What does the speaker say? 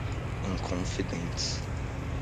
Inconfidentes